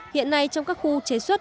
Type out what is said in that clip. hiện nay trong các khu chế xuất